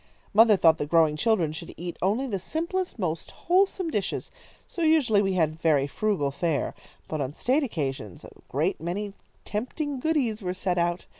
Mother thought that growing children should eat only the simplest, most wholesome dishes, so usually we had very frugal fare. But on state occasions a great many tempting goodies were set out.